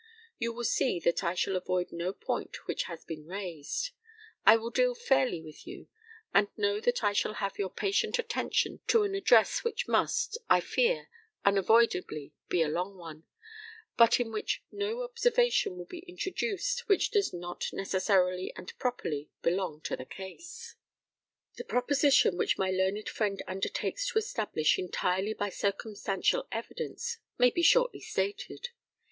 You will see that I shall avoid no point which has been raised. I will deal fairly with you, and I know that I shall have your patient attention to an address which must, I fear, unavoidably be a long one, but in which no observation will be introduced which does not necessarily and properly belong to the case. The proposition which my learned friend undertakes to establish entirely by circumstantial evidence, may be shortly stated.